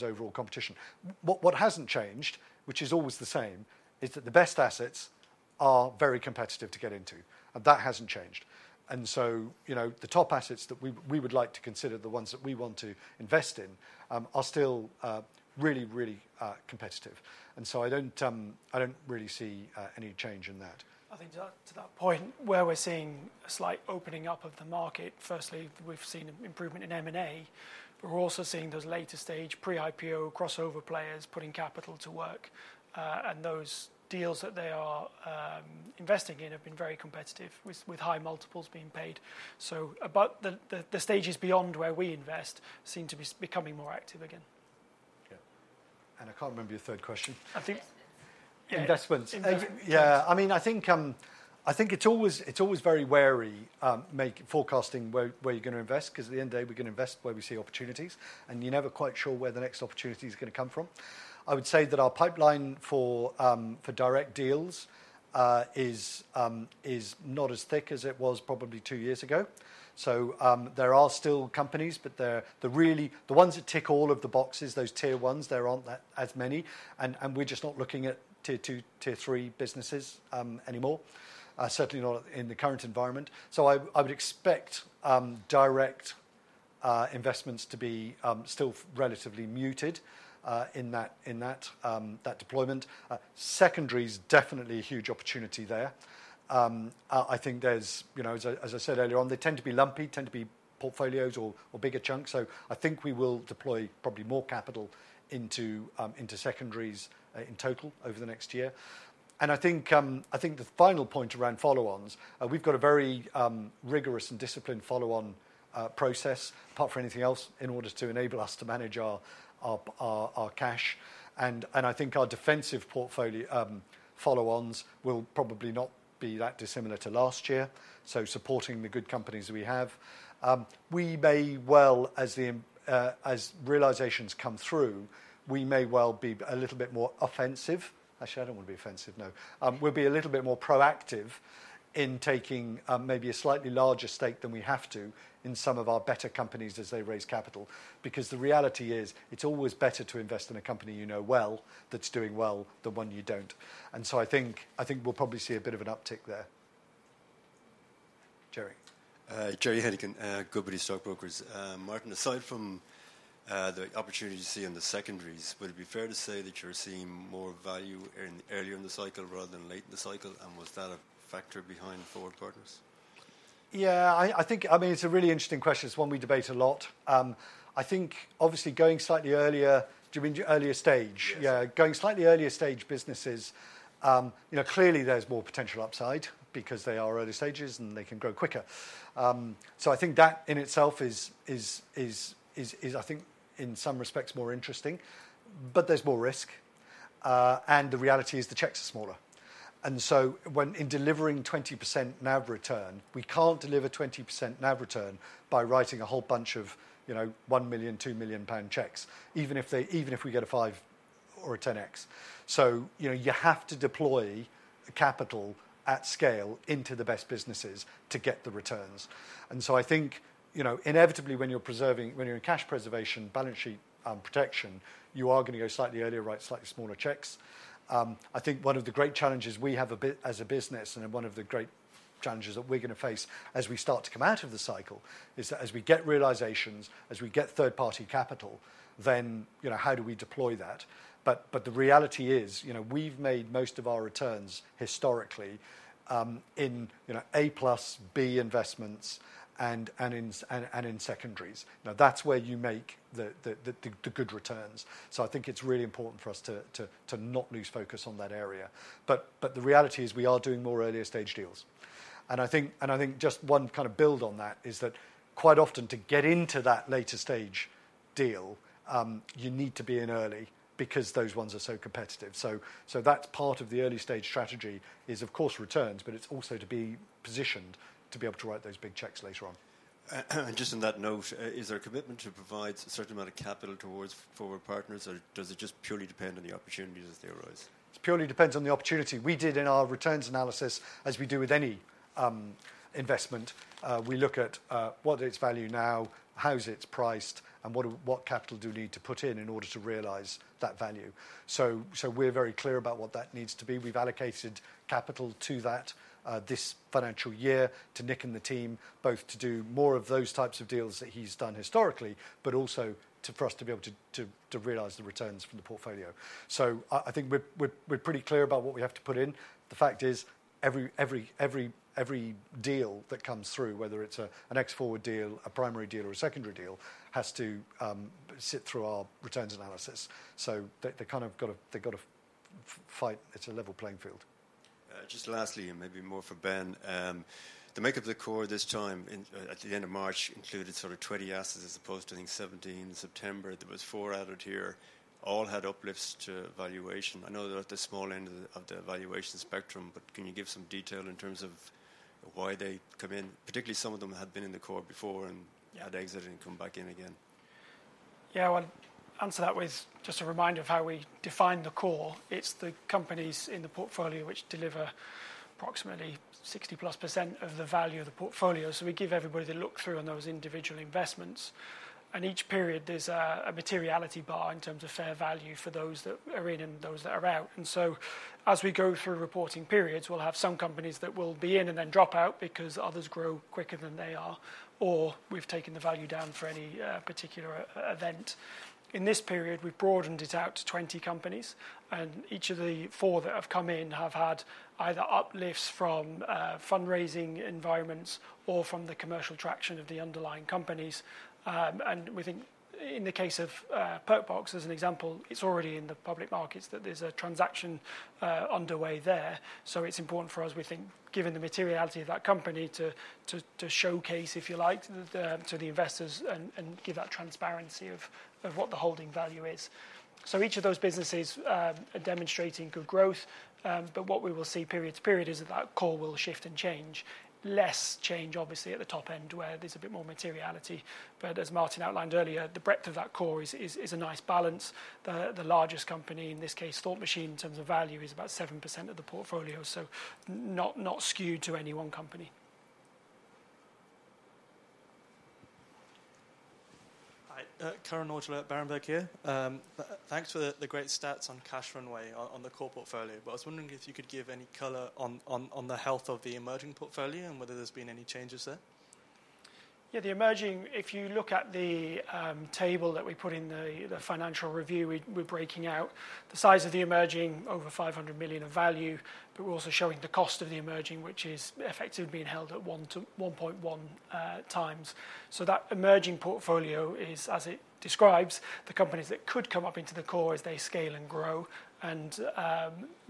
overall competition. What hasn't changed, which is always the same, is that the best assets are very competitive to get into. And that hasn't changed. And so the top assets that we would like to consider, the ones that we want to invest in, are still really, really competitive. And so I don't really see any change in that. I think to that point, where we're seeing a slight opening up of the market, firstly, we've seen improvement in M&A, but we're also seeing those later-stage pre-IPO crossover players putting capital to work. And those deals that they are investing in have been very competitive with high multiples being paid. So the stages beyond where we invest seem to be becoming more active again. Yeah. And I can't remember your third question. Investments. Investments. Yeah. I mean, I think it's always very wary forecasting where you're going to invest because at the end of the day, we're going to invest where we see opportunities. You're never quite sure where the next opportunity is going to come from. I would say that our pipeline for direct deals is not as thick as it was probably two years ago. There are still companies, but the ones that tick all of the boxes, those tier ones, there aren't as many. We're just not looking at tier two, tier three businesses anymore, certainly not in the current environment. I would expect direct investments to be still relatively muted in that deployment. Secondary is definitely a huge opportunity there. I think there's, as I said earlier on, they tend to be lumpy, tend to be portfolios or bigger chunks. So I think we will deploy probably more capital into secondaries in total over the next year. And I think the final point around follow-ons, we've got a very rigorous and disciplined follow-on process, apart from anything else, in order to enable us to manage our cash. And I think our defensive portfolio follow-ons will probably not be that dissimilar to last year. So supporting the good companies we have. We may, as realizations come through, we may well be a little bit more offensive. Actually, I don't want to be offensive, no. We'll be a little bit more proactive in taking maybe a slightly larger stake than we have to in some of our better companies as they raise capital. Because the reality is it's always better to invest in a company you know well that's doing well than one you don't. And so I think we'll probably see a bit of an uptick there. Gerry. Gerry Hennigan. Martin, aside from the opportunity you see in the secondaries, would it be fair to say that you're seeing more value earlier in the cycle rather than late in the cycle? And was that a factor behind Forward Partners? Yeah. I mean, it's a really interesting question. It's one we debate a lot. I think obviously going slightly earlier, do you mean earlier stage? Yes. Going slightly earlier stage businesses, clearly there's more potential upside because they are early stages and they can grow quicker. So I think that in itself is, I think in some respects, more interesting. But there's more risk. And the reality is the checks are smaller. And so when in delivering 20% NAV return, we can't deliver 20% NAV return by writing a whole bunch of 1 million, 2 million pound checks, even if we get a 5x or 10x. So you have to deploy capital at scale into the best businesses to get the returns. And so I think inevitably when you're in cash preservation, balance sheet protection, you are going to go slightly earlier, write slightly smaller checks. I think one of the great challenges we have as a business and one of the great challenges that we're going to face as we start to come out of the cycle is that as we get realizations, as we get third-party capital, then how do we deploy that? But the reality is we've made most of our returns historically in A plus B investments and in secondaries. Now, that's where you make the good returns. So I think it's really important for us to not lose focus on that area. But the reality is we are doing more earlier stage deals. And I think just one kind of build on that is that quite often to get into that later stage deal, you need to be in early because those ones are so competitive. So that's part of the early stage strategy is, of course, returns, but it's also to be positioned to be able to write those big checks later on. Just on that note, is there a commitment to provide a certain amount of capital towards Forward Partners, or does it just purely depend on the opportunities as they arise? It purely depends on the opportunity. We did in our returns analysis, as we do with any investment, we look at what its value now, how it's priced, and what capital do we need to put in in order to realize that value. So we're very clear about what that needs to be. We've allocated capital to that this financial year to Nic and the team, both to do more of those types of deals that he's done historically, but also for us to be able to realize the returns from the portfolio. So I think we're pretty clear about what we have to put in. The fact is every deal that comes through, whether it's an ex-Forward deal, a primary deal, or a secondary deal, has to sit through our returns analysis. So they've kind of got to fight. It's a level playing field. Just lastly, and maybe more for Ben, the makeup of the core this time at the end of March included sort of 20 assets as opposed to, I think, 17 in September. There were 4 added here. All had uplifts to valuation. I know they're at the small end of the valuation spectrum, but can you give some detail in terms of why they come in? Particularly, some of them had been in the core before and had exited and come back in again. Yeah. I want to answer that with just a reminder of how we define the core. It's the companies in the portfolio which deliver approximately 60%+ of the value of the portfolio. So we give everybody the look through on those individual investments. And each period, there's a materiality bar in terms of fair value for those that are in and those that are out. And so as we go through reporting periods, we'll have some companies that will be in and then drop out because others grow quicker than they are, or we've taken the value down for any particular event. In this period, we've broadened it out to 20 companies. And each of the four that have come in have had either uplifts from fundraising environments or from the commercial traction of the underlying companies. And we think in the case of Perkbox, as an example, it's already in the public markets that there's a transaction underway there. So it's important for us, we think, given the materiality of that company to showcase, if you like, to the investors and give that transparency of what the holding value is. So each of those businesses are demonstrating good growth. But what we will see period to period is that that core will shift and change. Less change, obviously, at the top end where there's a bit more materiality. But as Martin outlined earlier, the breadth of that core is a nice balance. The largest company, in this case, Thought Machine, in terms of value, is about 7% of the portfolio. So not skewed to any one company. Hi. Kieran O'Sullivan at Berenberg here. Thanks for the great stats on cash runway on the core portfolio. But I was wondering if you could give any color on the health of the emerging portfolio and whether there's been any changes there? Yeah. The emerging, if you look at the table that we put in the financial review, we're breaking out the size of the emerging over 500 million of value, but we're also showing the cost of the emerging, which is effectively being held at 1.1 times. So that emerging portfolio is, as it describes, the companies that could come up into the core as they scale and grow. And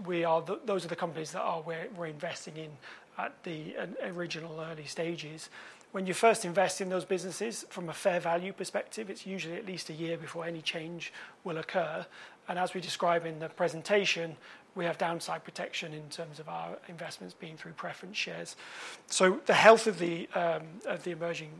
those are the companies that we're investing in at the original early stages. When you first invest in those businesses from a fair value perspective, it's usually at least a year before any change will occur. And as we describe in the presentation, we have downside protection in terms of our investments being through preference shares. So the health of the emerging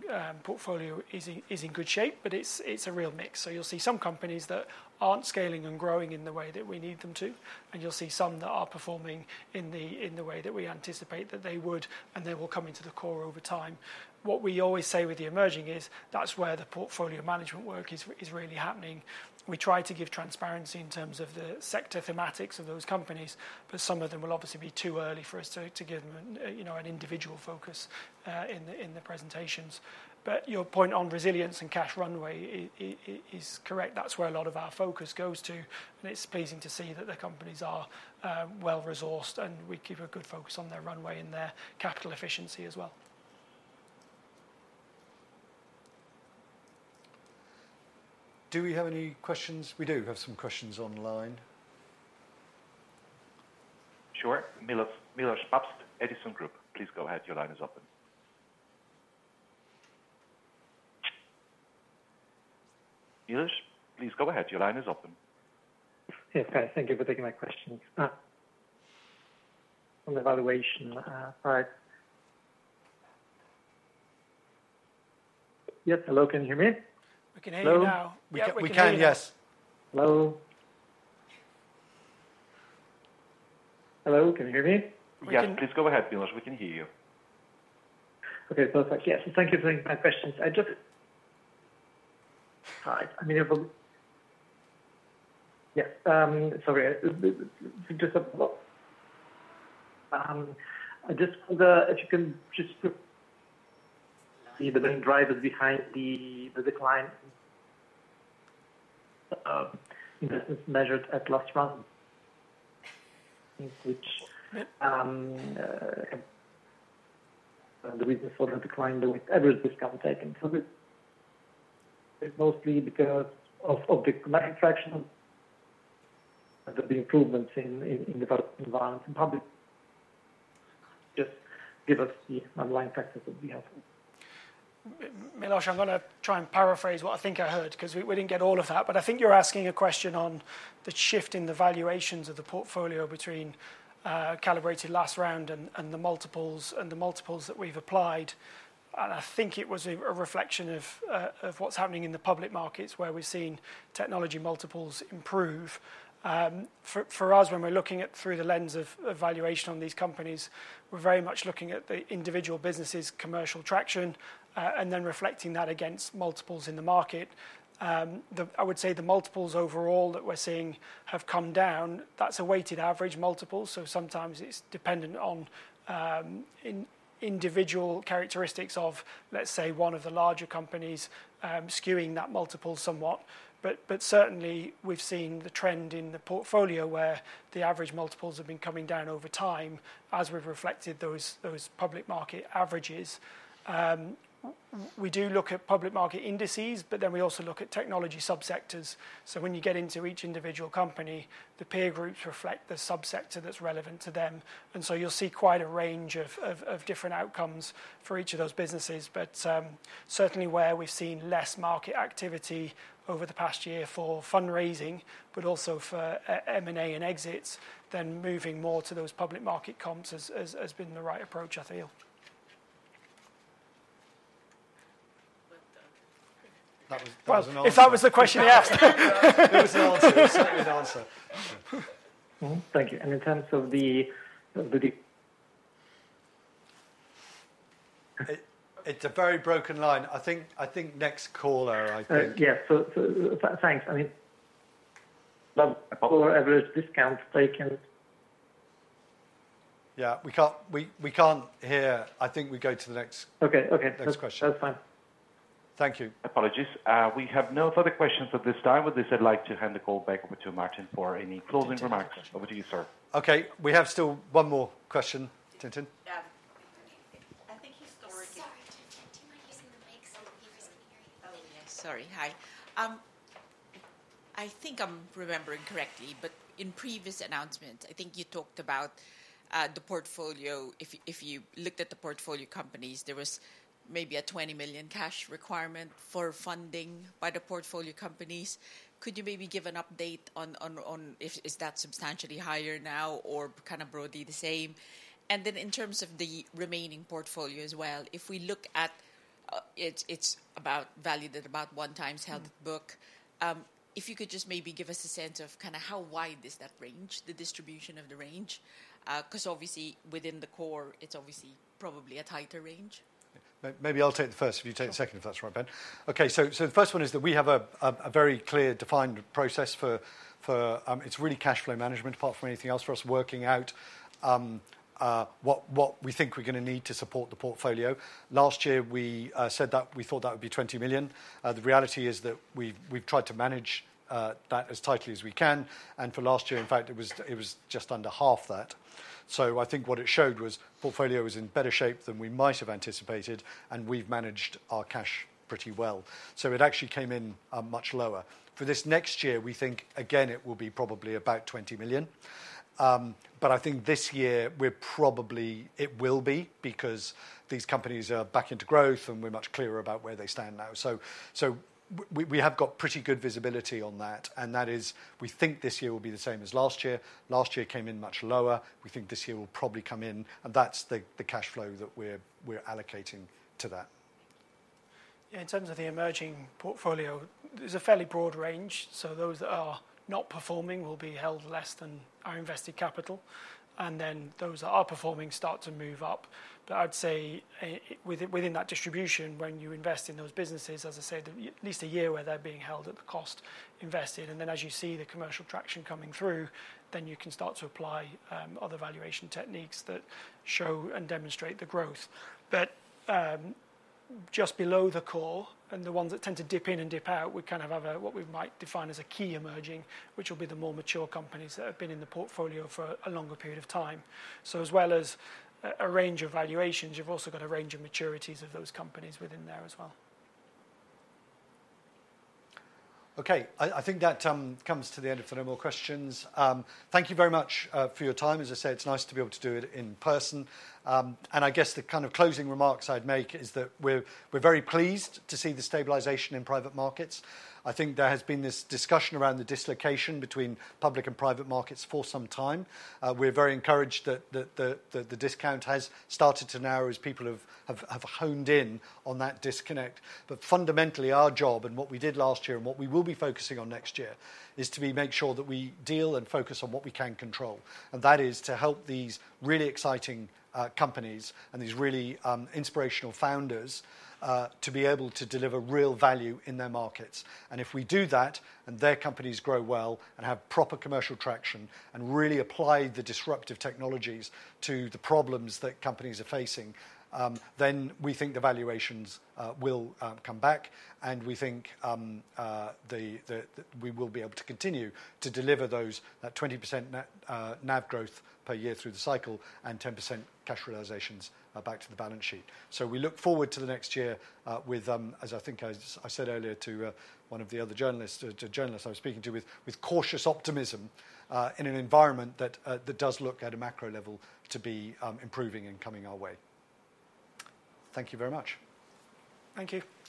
portfolio is in good shape, but it's a real mix. So you'll see some companies that aren't scaling and growing in the way that we need them to, and you'll see some that are performing in the way that we anticipate that they would, and they will come into the core over time. What we always say with the emerging is that's where the portfolio management work is really happening. We try to give transparency in terms of the sector thematics of those companies, but some of them will obviously be too early for us to give them an individual focus in the presentations. But your point on resilience and cash runway is correct. That's where a lot of our focus goes to. And it's pleasing to see that the companies are well resourced, and we keep a good focus on their runway and their capital efficiency as well. Do we have any questions? We do have some questions online. Sure Milosz Papst, Edison Group. Please go ahead. Your line is open. Milosz, please go ahead. Your line is open. Okay. Thank you for taking my question. On the evaluation side. Yes. Hello. Can you hear me? We can hear you now. We can, yes. Hello. Hello. Can you hear me? Yes. Please go ahead, Milosz. We can hear you. Okay. Perfect. Yes. Thank you for my questions. I just, I mean, yes. Sorry. Just if you can just see the main drivers behind the decline measured at last round, which the reason for the decline, the average discount taken, mostly because of the macro factors and the improvements in the public environment and public. Just give us the underlying factors that would be helpful. Milosz, I'm going to try and paraphrase what I think I heard because we didn't get all of that. I think you're asking a question on the shift in the valuations of the portfolio between calibrated last round and the multiples that we've applied. I think it was a reflection of what's happening in the public markets where we've seen technology multiples improve. For us, when we're looking at through the lens of valuation on these companies, we're very much looking at the individual businesses' commercial traction and then reflecting that against multiples in the market. I would say the multiples overall that we're seeing have come down. That's a weighted average multiple. Sometimes it's dependent on individual characteristics of, let's say, one of the larger companies skewing that multiple somewhat. But certainly, we've seen the trend in the portfolio where the average multiples have been coming down over time as we've reflected those public market averages. We do look at public market indices, but then we also look at technology subsectors. So when you get into each individual company, the peer groups reflect the subsector that's relevant to them. And so you'll see quite a range of different outcomes for each of those businesses. But certainly, where we've seen less market activity over the past year for fundraising, but also for M&A and exits, then moving more to those public market comps has been the right approach, I feel. That was an answer. If that was the question he asked. That was an answer. Thank you. In terms of the. It's a very broken line. I think next caller, I think. Yes. So thanks. I mean, for every discount taken. Yeah. We can't hear. I think we go to the next. Okay. Okay. Next question. That's fine. Thank you. Apologies. We have no further questions at this time. With this, I'd like to hand the call back over to Martin for any closing remarks. Over to you, sir. Okay. We have still one more question. Tintin. Yeah. I think he's still working. Sorry. Tim Stormont is in the mix and he wasn't hearing you. Oh, yes. Sorry. Hi. I think I'm remembering correctly, but in previous announcements, I think you talked about the portfolio. If you looked at the portfolio companies, there was maybe a 20 million cash requirement for funding by the portfolio companies. Could you maybe give an update on if that's substantially higher now or kind of broadly the same? And then in terms of the remaining portfolio as well, if we look at it's valued at about 1x held book. If you could just maybe give us a sense of kind of how wide is that range, the distribution of the range? Because obviously, within the core, it's obviously probably a tighter range. Maybe I'll take the first. If you take the second, if that's all right, Ben. Okay. So the first one is that we have a very clear defined process for it's really cash flow management, apart from anything else for us working out what we think we're going to need to support the portfolio. Last year, we said that we thought that would be 20 million. The reality is that we've tried to manage that as tightly as we can. And for last year, in fact, it was just under half that. So I think what it showed was portfolio is in better shape than we might have anticipated, and we've managed our cash pretty well. So it actually came in much lower. For this next year, we think, again, it will be probably about 20 million. But I think this year, it will be because these companies are back into growth, and we're much clearer about where they stand now. So we have got pretty good visibility on that. And that is, we think this year will be the same as last year. Last year came in much lower. We think this year will probably come in. And that's the cash flow that we're allocating to that. Yeah. In terms of the emerging portfolio, there's a fairly broad range. So those that are not performing will be held less than our invested capital. And then those that are performing start to move up. But I'd say within that distribution, when you invest in those businesses, as I said, at least a year where they're being held at the cost invested. And then as you see the commercial traction coming through, then you can start to apply other valuation techniques that show and demonstrate the growth. But just below the core and the ones that tend to dip in and dip out, we kind of have what we might define as a key emerging, which will be the more mature companies that have been in the portfolio for a longer period of time. So as well as a range of valuations, you've also got a range of maturities of those companies within there as well. Okay. I think that comes to the end of the no more questions. Thank you very much for your time. As I said, it's nice to be able to do it in person. I guess the kind of closing remarks I'd make is that we're very pleased to see the stabilization in private markets. I think there has been this discussion around the dislocation between public and private markets for some time. We're very encouraged that the discount has started to narrow as people have honed in on that disconnect. But fundamentally, our job and what we did last year and what we will be focusing on next year is to make sure that we deal and focus on what we can control. That is to help these really exciting companies and these really inspirational founders to be able to deliver real value in their markets. If we do that and their companies grow well and have proper commercial traction and really apply the disruptive technologies to the problems that companies are facing, then we think the valuations will come back. We think we will be able to continue to deliver that 20% NAV growth per year through the cycle and 10% cash realizations back to the balance sheet. We look forward to the next year with, as I think I said earlier to one of the other journalists I was speaking to, with cautious optimism in an environment that does look at a macro level to be improving and coming our way. Thank you very much. Thank you.